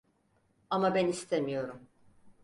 Ama ben istemiyorum.